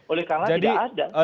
oleh karena tidak ada